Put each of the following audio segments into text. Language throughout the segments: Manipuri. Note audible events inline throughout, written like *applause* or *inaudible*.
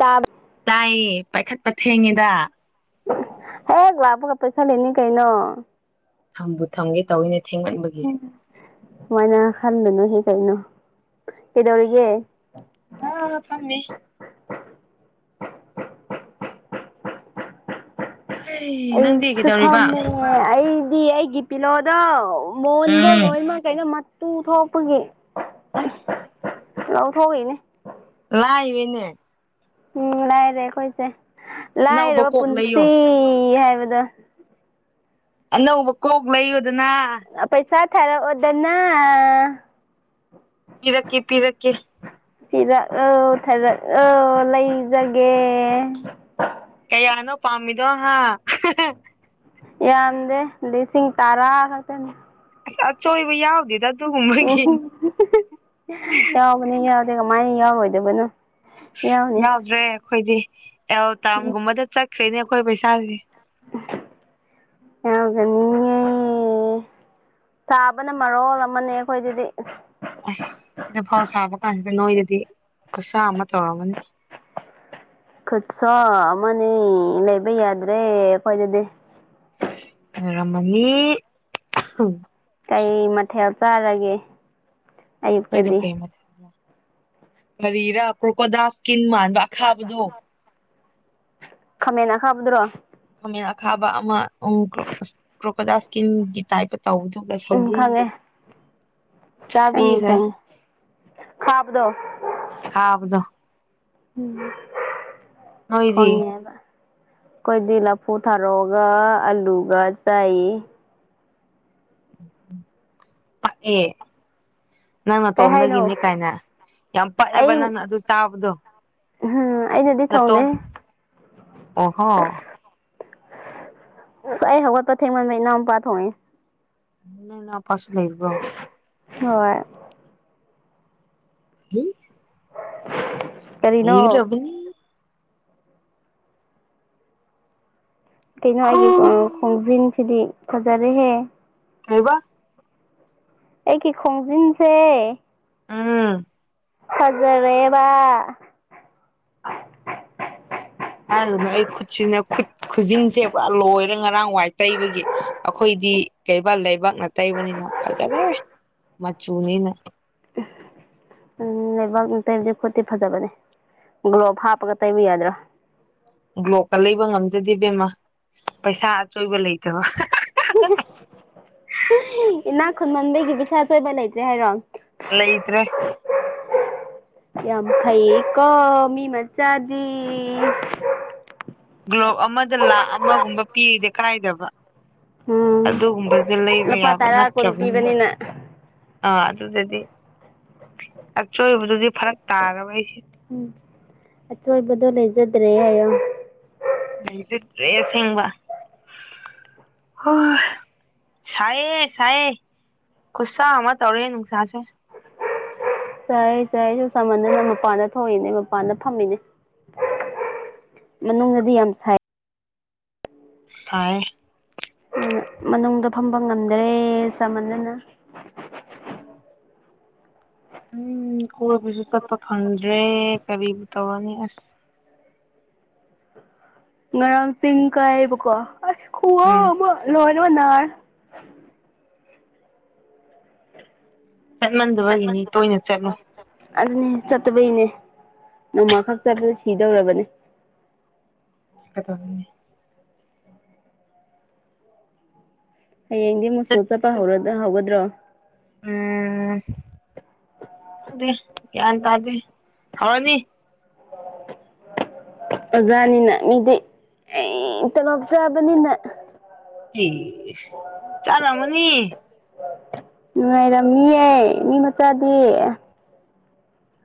ꯇꯥꯕ ꯇꯥꯏꯌꯦ ꯄꯥꯏꯈꯠꯄ ꯊꯦꯡꯉꯦꯗ ꯍꯦ ꯕ ꯀ ꯄꯩꯁꯥ ꯂꯩꯅꯤ ꯀꯩꯩꯅꯣ ꯊꯝꯕꯕꯨ ꯊꯪꯦ ꯇꯧꯅꯤ ꯃꯥꯏꯅꯥ ꯈꯥꯟꯗꯅꯣ ꯍꯦꯛ ꯀꯩꯅꯣ ꯀꯩꯗꯧꯔꯤꯒꯦ ꯑ ꯐꯝꯃꯤꯃꯦ ꯍꯩ ꯅꯪꯗꯤ ꯑꯩꯁꯨꯐꯝ ꯀꯩꯗꯧꯔꯤꯕ ꯑꯩ ꯗꯤ ꯑꯩꯒꯤ ꯄꯤꯂꯣꯗ ꯃꯣꯟꯗꯣ ꯎꯝ ꯂꯣꯏꯃꯛ ꯀꯩꯩꯅꯣ ꯃꯇꯨ ꯊꯣꯛꯄꯒꯤ ꯑꯁ ꯆꯎ ꯊꯒꯦꯅꯦ ꯂ ꯏꯕꯅꯦ ꯎꯝ ꯂꯥꯏꯔꯦ ꯑꯩꯈꯣꯏꯁꯦ ꯑꯅꯧꯕ ꯂꯥꯏꯔꯕ ꯀꯣꯛ ꯂꯩꯌꯣ ꯄꯨꯟꯁꯤ ꯍꯥꯏ ꯗ ꯑꯅꯧꯕ ꯀꯣꯛ ꯂꯩꯌꯨꯗꯅ ꯁꯥ ꯊꯔ ꯑꯣꯗꯅ ꯄꯤꯔꯛꯀꯦ ꯄꯤꯔꯛꯀꯦ ꯊꯤꯔꯛ ꯑ ꯊꯥꯔꯛ ꯑ ꯂꯩꯖꯒꯦ ꯌꯥꯅꯣ ꯄꯥꯝꯃꯤꯗꯣ ꯍꯥ ꯌꯥꯝꯗꯦ ꯂꯤꯁꯤꯡ ꯇꯔꯥ ꯈ ꯑꯁ ꯑꯆꯣꯏꯕ ꯌꯥꯎꯗꯦꯗ ꯑꯗꯨꯒꯨꯝꯕꯒꯤ ꯎꯝ ꯌꯥꯎꯕꯅꯦ ꯌꯥꯎꯗꯦ ꯀꯃꯥꯏꯅ ꯌꯥꯎꯔꯣꯏꯗꯕꯅꯣ ꯌꯥꯎꯅꯤ ꯌꯥꯎꯗ꯭ꯔꯦ ꯑꯩꯈꯣꯏꯗꯤ ꯑꯦꯜꯇꯥꯝꯒꯨꯝꯕꯗ ꯆꯠꯈ꯭ꯔꯦꯅꯦ ꯑꯩꯈꯣꯏ ꯄꯩꯁꯥꯥꯁꯦ ꯌꯥꯒ ꯃꯤ ꯆꯥꯕꯅ ꯃꯔꯣ ꯑꯃꯅꯦ ꯑꯩꯈꯣꯏꯗꯗꯤ ꯑꯁ ꯁꯤꯗ ꯐꯧ ꯁꯥꯕ ꯀꯥꯟꯁꯤꯗ ꯅꯣꯏꯗꯗꯤ ꯈꯨꯠꯁꯥ ꯑꯃ ꯇꯧꯔꯝꯒꯅꯤ *unintelligible* ꯈꯨꯠꯁ ꯑꯃꯅꯤ ꯂꯩꯕ ꯌꯥꯗ꯭ꯔꯦ ꯑꯩꯈꯣꯏꯅꯗꯤ ꯔꯃꯅꯤ ꯀꯩ ꯃꯊꯦꯜ ꯆꯥꯔꯒꯦ ꯀꯗ ꯑꯌꯨꯛꯇꯗꯤ ꯀꯔ ꯀꯄꯗꯥ ꯇꯤꯟ ꯃꯥꯟꯕ ꯈꯥꯕꯗꯣ ꯈꯥꯃꯦꯟꯅꯥ ꯈꯥꯕꯗꯨ꯭ꯔꯣ ꯈꯃꯦꯟ ꯑ ꯈꯥꯕ ꯑꯃ ꯎ ꯀ꯭ꯔꯣꯀꯗꯥꯁꯀꯤ ꯒꯤ ꯇꯥꯏ ꯇꯧꯕꯗꯨꯒ ꯎꯝ ꯁꯧꯕꯤ ꯈꯪꯉꯦ ꯈꯪꯉꯦ ꯆꯥꯕꯤꯈ꯭ꯔꯦ ꯈꯪꯉꯦ ꯈꯥꯕꯗꯣ ꯈꯥꯕꯗꯣ ꯎꯝ ꯅꯣꯏꯗꯤ ꯐꯣꯟꯅꯤꯕ ꯑꯩꯈꯣꯏꯗꯤ ꯂꯐꯨ ꯊꯥꯔꯛꯑꯒ ꯑꯂꯨꯒ ꯆꯥꯏ ꯑꯦ ꯅꯪ ꯀꯩ ꯍꯥꯏꯅꯣ ꯑꯇꯣꯝꯗꯒꯤꯅꯦ ꯀꯥꯏꯅ ꯌꯥꯝ ꯄꯛꯑꯦꯕ ꯅꯪꯅ ꯑꯗꯨ ꯆꯥꯕꯗꯣ ꯍꯥꯝ ꯅꯠꯇꯣ ꯑꯣꯍꯣ ꯑꯩ ꯍꯧꯒꯠꯄ ꯊꯦꯡꯃꯟꯕ ꯏꯅꯥꯎꯨꯄꯥ ꯊꯣꯛꯣꯡꯉꯦ ꯟꯅꯟꯅ ꯄꯁ ꯂꯩꯔꯕ꯭ꯔꯣ ꯍꯣꯏ ꯍꯝ *inaudible* ꯌꯦ꯭ꯔꯕꯅꯤ ꯀꯩꯅꯣ ꯍꯣ ꯑꯩꯒꯤ ꯈꯣꯡꯖꯤꯟꯁꯤꯗꯤ ꯐꯖꯔꯦꯍꯦ ꯀꯩꯕ ꯑꯦ ꯀ ꯈꯣꯡꯖꯤꯤꯟꯁꯦ ꯑꯥ ꯐꯖꯔꯦꯕ ꯍꯥꯏꯗꯨꯅ ꯑꯩ ꯈꯨꯠꯁꯤꯅ ꯈꯨꯠ ꯈꯨꯖꯁꯤꯡꯁꯦ ꯂꯣꯏꯔ ꯉꯔꯥꯡ ꯋꯥꯏ ꯇꯩꯕꯒꯤ ꯑꯩꯈꯣꯏꯗꯤ ꯀꯩꯕꯥꯜ ꯂꯩꯕꯥꯛꯅ ꯇꯩꯕꯅꯤꯅ ꯐꯖꯔꯦ ꯃꯆꯨꯅꯤꯅ ꯎꯝ ꯂꯩꯕꯥꯛꯅꯨꯡ ꯇꯩꯕꯗꯤ ꯈꯣꯠꯇꯤ ꯐꯖꯕꯅꯦ ꯒ꯭ꯂꯣꯞ ꯍꯥꯞꯄꯒ ꯇꯩꯕ ꯌꯥꯗ꯭ꯔꯥ ꯕ꯭ꯂꯣꯛꯀ ꯂꯩꯕ ꯉꯝꯖꯗꯦꯕꯦꯝꯃ ꯄꯩꯁꯥ ꯑꯆꯣꯏꯕ ꯂꯩꯇꯕ ꯏꯅꯥꯛ ꯈꯨꯟꯃꯟꯕꯒꯤ ꯄꯩꯁꯥ ꯑꯁꯣꯏꯕ ꯂꯩꯇ꯭ꯔꯦ ꯍꯥꯏꯔꯣ ꯂꯩ ꯏꯇ꯭ꯔꯦ ꯌꯥꯝ ꯐꯩ ꯀꯣ ꯃꯤ ꯃꯆꯥꯗꯤ ꯒ꯭ꯂꯣꯞ ꯑꯃꯗ ꯂꯥꯈ ꯑꯃꯒꯨꯝꯕ ꯄꯤꯔꯤꯗꯦ ꯀꯥꯏꯗꯕ ꯎꯝ ꯑꯗꯨꯒꯨꯝꯕꯁꯨ ꯂꯩꯕ ꯂꯨꯄꯥ ꯌꯥꯕ ꯇꯔꯥ ꯀꯨꯟ ꯅꯠꯇ꯭ꯔꯕꯅꯤꯅ ꯄꯤꯕꯅꯤꯅ ꯑꯥ ꯑꯗꯨꯗꯗꯤ ꯑꯆꯣꯏꯕꯗꯨꯗꯤ ꯐꯔꯛ ꯇꯥꯔꯕ ꯑꯩꯁꯦ ꯎꯝ ꯑꯆꯣꯏꯕꯗꯜ ꯂꯩꯖꯗ꯭ꯔꯦ ꯍꯥꯏꯣ ꯂꯩꯁꯤꯗ꯭ꯔꯦꯦꯡꯕ ꯍ ꯁꯌꯦ ꯁꯑꯌꯦ ꯨꯁꯥ ꯑꯃ ꯑꯃ ꯇꯧꯔ ꯅꯨꯛꯁꯥꯁ ꯆ ꯆ ꯑꯩꯁꯨ ꯆꯃꯅꯅ ꯃꯄꯥꯟꯗ ꯊꯣꯡꯉꯅꯦ ꯃꯄꯥꯟꯗ ꯐꯝꯃꯤꯅꯦ ꯃꯅꯨꯡꯗꯗꯤ ꯌꯥꯝ ꯁꯥꯏ ꯁꯥꯏ ꯑꯗꯨꯅ ꯃꯅꯨꯡꯗ ꯐꯝꯕ ꯉꯝꯗ꯭ꯔꯦ ꯆꯃꯅꯅ ꯎꯝ ꯀꯣꯏꯕꯁꯨ ꯆꯠꯄ ꯐꯪꯗ꯭ꯔꯦ ꯀꯔꯤꯕꯨ ꯇꯧꯔꯅꯤ ꯑꯁ ꯉꯔꯥꯡ ꯆꯤꯡ ꯀꯥꯏꯕꯀꯣ ꯑꯁ ꯎꯝ ꯍꯜꯂꯣ ꯅꯔ ꯆꯠꯃꯟꯗꯕꯒꯤꯅꯤ ꯇꯣꯏꯅ ꯆꯠꯂꯨ ꯑꯗꯨꯅꯤ ꯆꯠꯇꯕꯩꯅꯦ ꯅꯣꯡꯃꯈꯛ ꯆꯄꯗ ꯁꯤꯗꯧꯔꯕꯅꯦ ꯇꯃꯤ ꯍꯌꯦꯡꯗꯤ ꯃꯨꯁꯨ ꯆꯠ ꯆꯠꯄ ꯍꯧ ꯍꯧꯒꯗ꯭ꯔꯣ ꯎꯝ ꯗ ꯌꯥꯟ ꯇꯥꯗꯦ ꯍꯋꯥꯅꯤ ꯑꯣꯖꯥꯅꯤꯅ ꯃꯤꯗꯤ ꯑꯩ ꯇꯂꯣꯞ ꯆꯕꯅꯤꯅ ꯁ ꯆꯔꯃꯅꯤ ꯉꯅꯨꯡꯉꯥꯏꯔꯝꯃꯤꯌꯦ ꯃꯤ ꯃꯆꯥꯗꯤ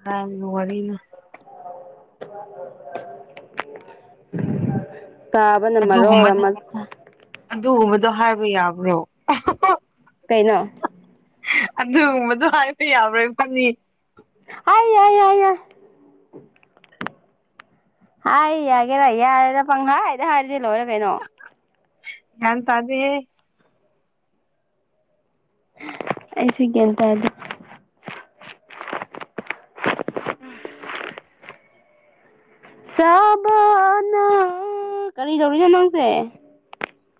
ꯍ ꯋꯥꯔꯤꯔꯤꯅ *inaudible* ꯇꯥꯕ ꯅꯝꯃꯣ ꯑꯗꯨꯒꯨꯝꯕꯗꯣ ꯑꯃ ꯑꯗꯨꯒꯨꯝꯕꯗꯣ ꯍꯥꯏꯕ ꯌꯥꯕ꯭ꯔꯣ ꯀꯩꯅꯣ ꯑꯗꯨꯒꯨꯝꯕꯗꯣ ꯍꯥꯏꯕ ꯌꯥꯕ꯭ꯔꯣꯏ ꯐꯅꯤ ꯑꯑ ꯍꯥꯏ ꯍꯥꯏꯏꯏ ꯍꯥꯏ ꯌꯥꯒꯦꯔ ꯌꯥꯔꯦꯔ ꯄꯪ ꯍꯥꯏꯥꯏꯗ ꯍꯥꯏꯔꯤꯗꯤ ꯂꯣꯏꯔ ꯀꯩꯅꯣ ꯌꯥꯟ ꯇꯥꯗꯦ ꯍ ꯑꯩꯁꯤꯒꯦꯇ ꯍꯥꯏ ꯁꯕꯅ ꯀꯔꯤ ꯇꯧꯔꯤꯅꯣ ꯅꯪꯁꯦ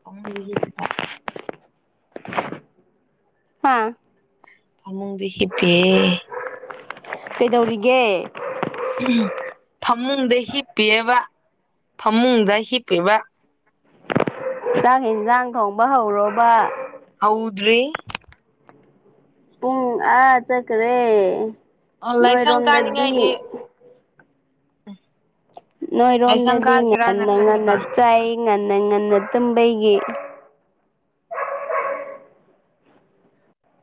ꯑꯥꯎ ꯂꯩ ꯀꯦ ꯀꯀ ꯍꯥꯥ ꯐꯃꯨꯡꯗ ꯍ ꯄꯦ ꯀꯩꯗꯧꯔꯤꯒꯦ ꯐꯃꯨꯡꯗ ꯍꯤꯞꯄꯤꯑꯕ ꯐꯃꯨꯡꯗ ꯍꯤꯞꯄꯤꯕ ꯆꯥꯛ ꯌꯦꯟꯁꯥꯡ ꯊꯣꯡꯕ ꯍꯧꯔꯕ ꯍꯧꯗ꯭ꯔꯦ ꯄꯨꯡ ꯑꯥ ꯆꯠꯈ꯭ꯔꯦ ꯑꯣ ꯂꯥꯏꯁꯪ ꯅꯣꯏꯔꯣꯝꯗꯗꯤ ꯀꯥꯅꯤꯡꯉꯥꯏꯗꯤ ꯂꯥꯏꯁꯪ ꯅꯣꯏꯔꯣꯝꯗꯗꯤ ꯀꯥꯁꯤꯔꯥꯅ ꯉꯟꯅ ꯉꯟꯅ ꯈꯜꯂꯤꯕ ꯆꯥꯏ ꯉ ꯉꯟꯅ ꯇꯕꯩꯒꯤꯦ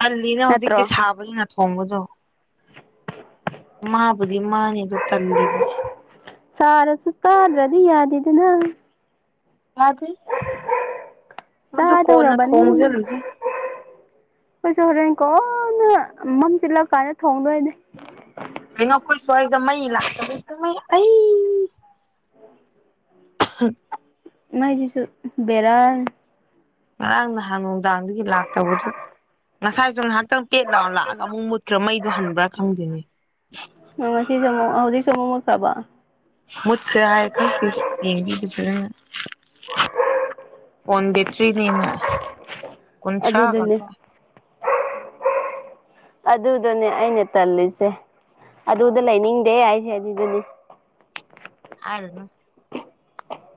ꯍꯜꯂꯤꯅ ꯍꯧꯖꯤꯛ ꯅꯠꯇ꯭ꯔꯣ ꯀꯁꯥꯕꯅꯤ ꯅꯠꯇ ꯊꯣꯡꯕꯗꯣ ꯃꯥꯕꯨꯗꯤ ꯃꯥꯅꯦꯗꯣ ꯇꯜꯂꯤꯕ ꯁꯔ ꯁꯁꯀꯔ ꯔꯗꯤ ꯌꯥꯗꯤꯗꯅꯥ ꯌꯥꯗꯦ ꯃꯗꯨ ꯀꯣꯟꯅ ꯊꯣꯡꯖꯔꯨꯒꯦ ꯑꯩꯣꯏꯁꯨ ꯍꯣꯔꯦꯟ ꯀꯣꯟꯅ ꯃꯝ ꯆꯤꯠꯂꯛ ꯀꯥꯟꯗ ꯊꯣꯡꯗꯣꯏꯗꯤ ꯀꯩꯅꯣ ꯑꯩꯈꯣꯏ ꯁ꯭ꯋꯥꯏꯗ ꯃꯩ ꯂꯥꯛꯇꯕꯩ ꯑꯩ ꯍꯝ ꯃꯥꯏꯗꯤꯁꯨ ꯕꯦꯔꯥ ꯉꯔꯥꯡ ꯅꯍꯥꯟ ꯅꯨꯡꯗꯥꯡꯗꯒꯤ ꯂꯥꯛꯇꯕꯗꯣ ꯉꯁꯥꯏꯁꯨ ꯉꯥꯏꯍꯥꯛꯇꯪ ꯇꯦꯠ ꯂꯥꯎꯒ ꯂꯥꯛꯑꯒ ꯑꯃꯨꯛ ꯃꯨꯠꯈ꯭ꯔꯥ ꯃꯩꯗꯣ ꯍꯟꯕ꯭ꯔꯥ ꯈꯪꯗꯦꯅꯦ ꯉꯁꯤꯁꯨꯦ ꯑꯃꯨꯛ ꯍꯧꯖꯤꯛꯁꯨ ꯑꯃꯨꯃꯛꯇ꯭ꯔꯕ ꯃꯨꯠꯈ꯭ꯔꯦ ꯍꯥꯏ ꯈꯪꯛꯇꯦ ꯌꯦꯡꯕꯤꯗꯨꯗꯨ ꯄꯣꯟꯗꯦꯇ꯭ꯔꯤ ꯅꯃꯤ ꯀꯟꯁ꯭ꯔꯥ ꯑꯗꯨꯗꯨꯅꯦ ꯈꯗ ꯑꯗꯨꯗꯨꯅꯦ ꯑꯩꯅ ꯇꯜꯂꯤꯁꯦ ꯑꯗꯨꯗ ꯂꯩꯅꯤꯡꯗꯦ ꯑꯩꯁꯦ ꯑꯗꯨꯗꯨꯅꯤ ꯑꯔꯅ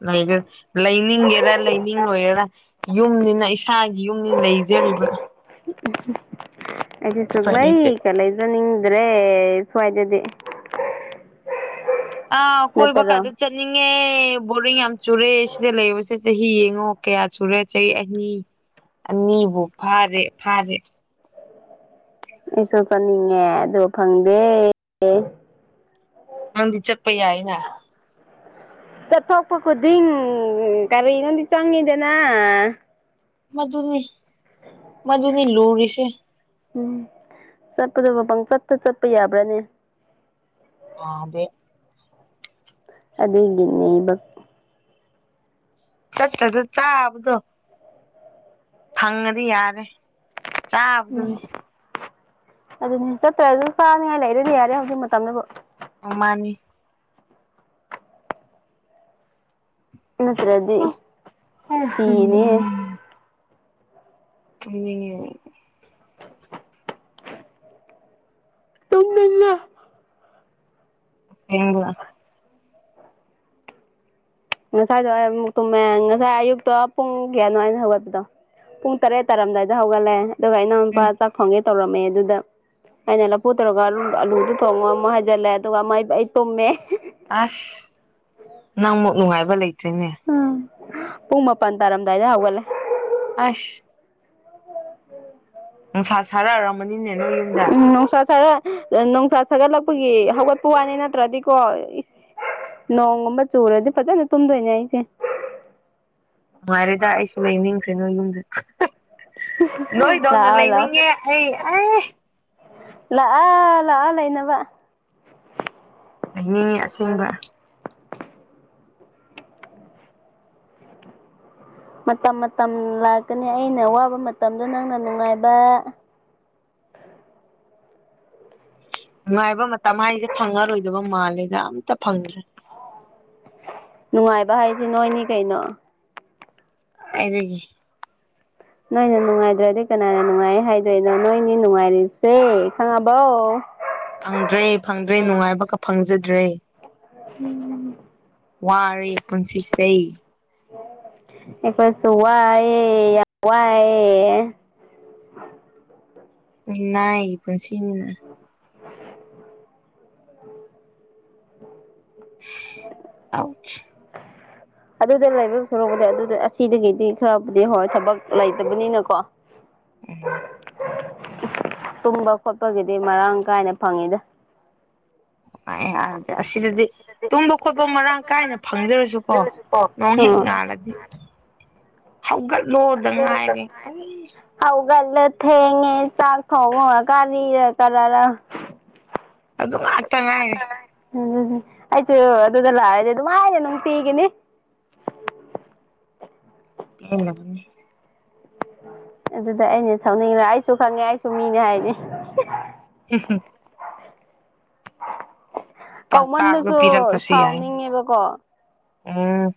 ꯂꯩ ꯂꯩꯅꯤꯡꯒꯦꯔꯥ ꯂꯩꯅꯤꯡꯂꯣꯏꯒꯦꯔꯥ ꯌꯨꯝꯅꯤꯅ ꯏꯁꯥꯒꯤ ꯌꯨꯝꯅꯤ ꯂꯩꯖꯔꯤꯕ *inaudible* ꯑꯩꯁ ꯎꯄꯥꯏ ꯂꯩꯇꯦ ꯁꯨꯛꯂꯩꯀ ꯂꯩꯖꯅꯤꯡꯗ꯭ꯔꯦ ꯁ꯭ꯋꯥꯏꯗꯗꯤ ꯑ ꯀꯣꯏꯕ ꯀꯥ ꯅꯠꯇꯔꯣ ꯑꯗꯨ ꯆꯅꯤꯡꯉꯦ ꯑꯦ ꯕꯣꯔꯗꯤꯡ ꯌꯥꯝ ꯆꯨꯔꯦ ꯁꯤꯗ ꯂꯩꯕꯁꯦ ꯆꯍꯤ ꯌꯦꯡꯉꯣ ꯀꯌꯥ ꯆꯨꯔꯦ ꯆꯍꯤ ꯑꯅꯤ ꯅꯤꯕꯨ ꯐꯚꯔꯦ ꯐꯔꯦ ꯑꯩꯁꯨ ꯐꯅꯤꯡꯉꯦ ꯑꯗꯣ ꯐꯪꯗꯦ ꯅꯪꯗꯤ ꯆꯠꯄ ꯌꯥꯏꯅ ꯆꯠꯊꯣꯛꯄ ꯈꯨꯗꯤꯡ ꯀꯔꯤꯅꯣꯗꯤ ꯆꯪꯉꯤꯗꯅ ꯃꯗꯨꯅꯤ ꯃꯗꯨꯅꯤ ꯂꯣꯔꯤꯁꯦ ꯎꯝ ꯆꯠꯄꯗꯣ ꯄꯄꯪ ꯆꯠꯇ ꯆꯠꯄ ꯌꯥꯕ꯭ꯔꯥꯅꯦ ꯑꯗꯦ ꯑꯗ ꯏꯕ ꯆꯠ ꯆ ꯆꯥꯗꯣ ꯐꯪꯉꯗꯤ ꯌꯥꯔꯦ ꯆꯥꯕꯗꯨꯅꯤ ꯑꯗꯨꯅꯦ ꯆꯠꯇ꯭ꯔꯁꯨ ꯐꯥꯅꯤꯡꯉꯥꯏ ꯂꯩꯔꯦꯗꯤ ꯌꯥꯔꯦ ꯍꯧꯖꯤꯛ ꯃꯇꯝꯗꯕꯨ ꯑ ꯃꯥꯅꯤ ꯅꯠꯇ꯭ꯔꯗꯤ ꯐꯤꯅꯦ ꯎꯉ ꯍꯦꯡꯒ ꯉꯁꯥꯏꯗꯣ ꯑꯃꯨꯛ ꯇꯨꯝꯃꯦ ꯉꯁꯥꯏ ꯑꯌꯨꯛꯇꯣ ꯄꯨꯡ ꯀꯌꯥꯅꯣꯥꯏꯅ ꯍꯧꯒꯠꯄꯗꯣ ꯄꯨꯡ ꯇꯔꯦꯠ ꯇꯥꯔꯝꯗꯥꯏꯗ ꯍꯧꯒꯠꯂꯦ ꯑꯗꯨꯒ ꯑꯩꯅ ꯃꯄꯥ ꯆꯥꯛ ꯐꯣꯡꯒꯦ ꯇꯧꯔꯝꯃꯦ ꯑꯗꯨꯗ ꯑꯩꯅ ꯂꯐꯨ ꯇꯧꯔꯒ ꯑꯂꯨꯗꯨ ꯊꯣꯡꯉꯒ ꯑꯃꯨꯛ ꯍꯥꯏꯖꯤꯜꯂꯦ ꯑꯗꯨꯒ ꯑꯩ ꯇꯨꯝꯃꯦ ꯑꯁ ꯅꯪ ꯑꯃꯨꯛ ꯅꯨꯡꯉꯥꯏꯕ ꯂꯩꯇ꯭ꯔꯤꯅꯦ ꯄꯨꯡ ꯃꯥꯄꯜ ꯇꯥꯔꯝꯗꯥꯏꯗ ꯍꯧꯥꯎꯒꯜꯂꯦ ꯑꯁ ꯅꯨꯡꯁꯥ ꯁꯥꯔꯛꯑꯔꯝꯕꯅꯤꯅꯦ ꯅꯣꯏ ꯌꯨꯝꯗ ꯈꯔ ꯣꯡꯁꯥ ꯁꯥꯒꯠꯂꯛꯄꯒꯤ ꯍꯧꯒꯠꯄ ꯋꯥꯅꯤ ꯅꯠꯇ꯭ꯔꯗꯤꯀꯣ ꯅꯣꯡꯒꯨꯝꯕ ꯆꯨꯔꯗꯤ ꯐꯖꯅ ꯇꯨꯝꯗꯣꯏꯅꯦ ꯑꯩꯁꯦ ꯃꯥꯔꯦꯗ ꯑꯩꯁꯨ ꯂꯩꯅꯤꯡꯡꯁꯦ ꯅ ꯌꯨꯝꯁ ꯅꯣꯏꯗꯧꯅ ꯂꯥꯛꯑꯣ ꯂꯥꯛꯑꯣ ꯂꯩꯅꯤꯡꯉꯦ ꯑꯩ ꯑꯦ ꯂꯥꯛꯑꯣ ꯂꯥꯛꯑꯣ ꯂꯩꯅꯕ ꯂꯩꯅꯤꯡꯉꯤ ꯑꯁꯦꯡꯕ ꯃꯇꯝ ꯃꯇꯝ ꯂꯥꯛꯀꯅꯤ ꯑꯩꯅ ꯋꯥꯕ ꯃꯇꯝꯗ ꯅꯪꯅ ꯅꯨꯡꯉꯥꯏꯕ *inaudible* ꯅꯨꯡꯉꯥꯏꯕ ꯃꯇꯝ ꯍꯥꯏꯁꯦ ꯐꯪꯉꯔꯣꯏꯗꯕ ꯃꯥꯜꯂꯦꯗ ꯑꯝꯇ ꯐꯪꯗ꯭ꯔꯦ ꯅꯨꯡꯉꯥꯏꯕ ꯍꯥꯏꯁꯤ ꯅꯣꯏꯅꯤ ꯀꯩꯅꯣ ꯑꯗꯨꯔꯒꯤ ꯅꯣꯏꯅ ꯅꯨꯡꯉꯥꯏꯗ꯭ꯔꯗꯤ ꯀꯅꯥꯅ ꯅꯨꯡꯉꯥꯏ ꯍꯥꯏꯗꯣꯏꯅꯣ ꯅꯣꯏꯅꯤ ꯅꯨꯡꯉꯥꯏꯔꯤꯁꯦ ꯈꯪꯉꯕꯧ ꯐꯪꯗ꯭ꯔꯦ ꯐꯪꯗ꯭ꯔꯦ ꯅꯨꯡꯉꯥꯏꯕꯒ ꯐꯪꯖꯗ꯭ꯔꯦ ꯎꯝ ꯋꯥꯔꯦ ꯄꯨꯟꯁꯤꯁ ꯑꯩꯈꯣꯏꯁꯨ ꯋꯥꯏ ꯌꯥ ꯋꯥꯏ ꯑ ꯅ ꯄꯨ ꯁꯤꯃꯤꯅ *inaudible* ꯑ ꯑꯗꯨꯗ ꯂꯩꯕ ꯁꯣꯔꯛꯄꯗꯤ ꯑꯗꯨꯗ ꯑꯁꯤꯗꯒꯤꯗꯤ ꯈꯔꯕꯨꯗꯤ ꯍꯣꯏ ꯊꯕꯛ ꯂꯩꯇꯕꯅꯤꯅꯀꯣ ꯎꯝ ꯇꯨꯝꯕ ꯈꯣꯠꯄꯒꯤꯗꯤ ꯃꯔꯥꯡ ꯀꯥꯏꯅ ꯐꯪꯉꯤꯗ ꯑꯗꯤ ꯑꯁꯤꯗꯗꯤ ꯇꯨꯝꯕ ꯈꯣꯠꯄ ꯃꯔꯥꯡ ꯀꯥꯏꯅ ꯐꯪꯖꯔꯁꯨ ꯑꯣ ꯅꯣꯡ ꯍ ꯉꯂꯗꯤ ꯍꯧꯒꯠꯂꯣꯗ ꯉꯥꯏꯔꯦ ꯑꯩ ꯂ ꯊ ꯍꯦꯡꯉꯦ ꯆꯥ ꯈ ꯀꯔ ꯇꯗ ꯑꯗꯨ ꯉꯥꯛꯇ ꯉꯥꯏꯔꯦ ꯎꯝ ꯑꯩꯁꯨ ꯑꯗꯨꯗ ꯂꯥꯛꯑꯗꯤꯦ ꯑꯗꯨꯝ ꯍꯥꯏꯥꯏꯌꯦꯦ ꯅꯨꯡꯇꯤꯒꯤꯅꯤ ꯊꯅꯤ ꯑꯗꯨꯗ ꯑꯩꯅ ꯁꯛꯅꯤꯡꯕ ꯑꯩꯁꯨ ꯈꯪꯉꯦ ꯑꯩꯁꯨ ꯃꯤꯅꯦ ꯍꯥꯏꯅꯤ ꯍꯝ ꯍꯝ ꯄꯥꯎꯇꯥꯛꯇꯣ ꯀꯃꯟꯗꯁꯨ ꯄꯤꯔꯛꯇ꯭ꯔꯁꯨ ꯌꯥꯏꯅ ꯁꯥꯎꯅꯤꯡꯉꯦꯕꯀꯣ ꯎꯝ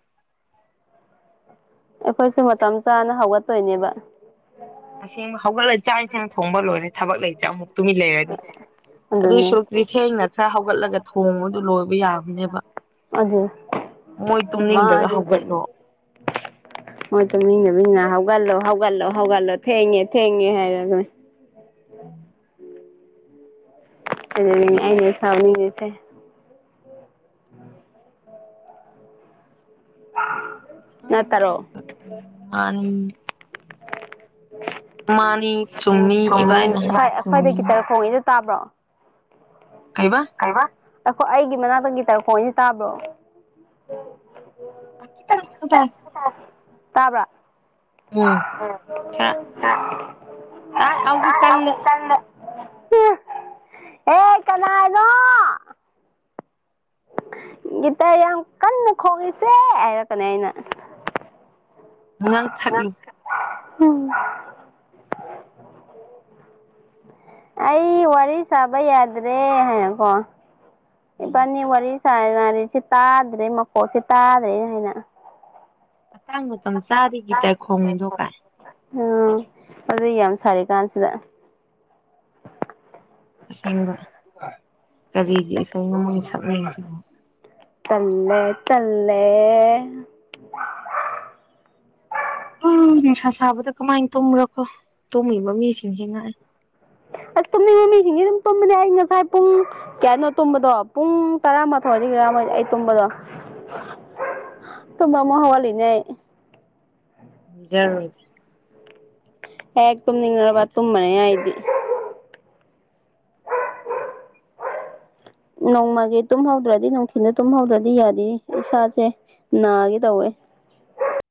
ꯑꯩꯈꯣꯏꯁꯨꯦ ꯃꯇꯝ ꯆꯥꯅ ꯍꯧꯒꯠꯇꯣꯏꯅꯦꯕ ꯑꯁꯦꯡꯕ ꯍꯧꯒꯠꯂ ꯆꯥꯛ ꯏꯟꯁꯥꯡ ꯊꯣꯡꯕ ꯂꯣꯏꯔꯦ ꯊꯕꯛ ꯂꯩꯇ꯭ꯔꯥ ꯑꯃꯨꯛ ꯇꯨꯃꯤꯟ ꯂꯩꯔꯅꯤ ꯑꯗꯨꯏ ꯑꯗꯨꯅꯦ ꯁꯔꯨꯛꯇꯨꯗꯤ ꯊꯦꯡꯅ ꯈꯔ ꯍꯧꯒꯠꯂꯒ ꯊꯣꯡꯕꯗꯨ ꯂꯣꯏꯕ ꯌꯥꯕꯅꯦꯕ ꯑꯗꯨ ꯃꯣꯏ ꯇꯨꯝꯅꯤꯡꯂꯒ ꯍꯧꯒꯠꯂꯣ ꯃꯣꯏꯠꯇꯣ ꯃꯤꯅ ꯃꯤꯅ ꯍꯧꯒꯠꯂꯣ ꯍꯧꯒꯠꯂꯣ ꯍꯧꯒꯠꯂꯣ ꯊꯦꯡꯉꯦ ꯊꯦꯡꯉꯦ ꯍꯥꯏꯔꯒ ꯎꯝ ꯅꯦꯁꯅꯤ ꯂꯩꯇꯦ ꯎꯝ ꯅꯠꯇꯔꯣ ꯃꯥꯅꯤꯡ ꯃꯥꯅꯤ ꯆꯨꯝꯃꯤ ꯏꯕꯥꯏꯅ ꯍꯥꯏꯕ ꯆꯨꯝꯃꯤ ꯑꯩꯈ꯭ꯣꯏꯗꯒꯤꯈꯤꯇꯔꯛ ꯍꯧꯏꯦꯅ ꯇꯥꯕ꯭ꯔꯣ ꯀꯩꯕ ꯑꯩꯈꯣꯏ ꯑꯩꯒꯤ ꯃꯅꯥꯛꯇꯪꯒꯤ ꯇꯔꯨꯛꯈꯣꯗꯤ ꯇꯥꯕ꯭ꯔꯣ ꯑꯈꯤ ꯇꯔ ꯇ ꯇꯥꯕ꯭ꯔ ꯈꯔ ꯇꯥꯏ ꯍꯧꯖꯤꯛ ꯀꯜꯂꯦ ꯎ ꯍ ꯀ ꯅꯣ ꯒꯤꯇꯔ ꯌꯥꯝ ꯀꯟꯅ ꯈꯣꯡꯂꯤꯁꯦ ꯍꯥꯏꯔꯛꯀꯅꯤ ꯑꯩꯅ ꯉꯥꯡ ꯊꯠꯂꯨ ꯎꯝ ꯑꯩ ꯋꯥꯔꯤ ꯁꯥꯕ ꯌꯥꯗ꯭ꯔꯦ ꯍꯥꯏꯀꯣ ꯎꯝ ꯏꯕꯥꯅꯤ ꯋꯥꯔꯤ ꯁꯅꯔꯤꯁꯤ ꯇꯥꯗ꯭ꯔꯦ ꯃꯀꯣꯛꯁꯤ ꯇꯥꯔꯦ ꯍꯥꯏꯅ ꯃꯇꯥꯡ ꯃꯇꯝ ꯆꯥꯗ ꯒꯤꯇꯥꯏ ꯈꯣꯡꯅꯤꯗꯣꯛ ꯀꯥꯏ ꯎꯝ ꯑꯗꯨ ꯌꯥꯝ ꯁꯥꯔꯤ ꯀꯥꯟꯁꯤꯗ ꯑꯁꯦꯡꯕ ꯀꯔꯤꯒꯤ ꯑꯩꯣꯏ ꯅ ꯁꯛꯅꯩꯔꯤꯁꯤꯕꯨꯣ ꯇꯂꯦ ꯇꯂꯦ ꯎ ꯅꯨꯡꯁꯥ ꯁꯥꯕꯗ ꯀꯃꯥꯏꯅ ꯇꯨꯝꯃꯨꯔꯣꯀꯣ ꯇꯨꯝꯃꯤꯕ ꯃꯤꯁꯤꯡꯁꯦ ꯉꯥꯛꯑꯦ *inaudible* ꯑꯁ ꯇꯨꯝꯅꯤꯡꯕ ꯃꯤꯁꯤꯡꯗꯤ ꯑꯗꯨꯝ ꯇꯨꯝꯕꯅꯦ ꯑꯩ ꯉꯁꯥꯏ ꯄꯨꯡ ꯀꯌꯥꯅꯣ ꯇꯨꯝꯕꯗꯣ ꯄꯨꯡ ꯇꯔꯥꯃꯥꯊꯣꯏꯗꯤ ꯑꯩ ꯇꯨꯝꯝꯕꯗꯣ ꯇꯨꯝ ꯑꯃ ꯍꯋꯥꯂꯤꯅꯦ ꯔꯨꯔ ꯍꯦꯛ ꯇꯨꯝꯅꯤꯡꯉꯔꯕ ꯃꯊꯛ ꯇꯨꯝꯕꯅꯦ ꯇꯨꯝꯕꯅ ꯍꯥꯏꯗꯤ ꯅꯣꯡꯃꯒꯤ ꯇꯨꯝꯍꯧꯗ꯭ꯔꯗꯤ ꯅꯨꯡꯊꯤꯜꯗ ꯇꯨꯝꯍꯧꯗ꯭ꯔꯗꯤ ꯌꯥꯗꯤ ꯏꯁꯥꯁꯦ ꯅꯥꯒꯦ ꯇꯧꯋꯦ *inaudible*